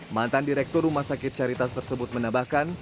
mantan direktur rumah sakit caritas tersebut menambahkan